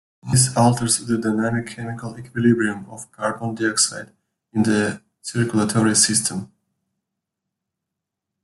This alters the dynamic chemical equilibrium of carbon dioxide in the circulatory system.